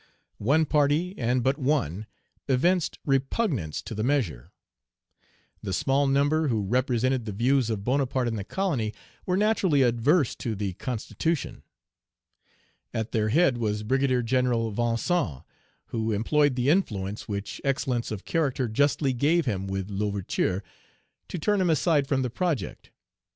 One party, and but one, evinced repugnance to the measure. The small number who represented the views of Bonaparte in the colony were naturally adverse to the constitution. At their head was Brigadier General Vincent, who employed the influence which excellence of character justly gave him with L'Ouverture to turn him aside from the project.